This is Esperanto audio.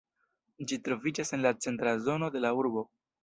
Ĝi troviĝas en la centra zono de la urbo.